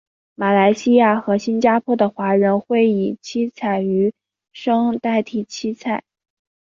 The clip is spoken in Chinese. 马来西亚和新加坡的华人会以七彩鱼生代替七菜。